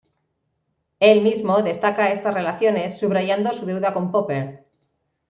Él mismo destaca estas relaciones subrayando su deuda con Popper.